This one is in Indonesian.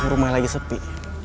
rumahnya lagi sepi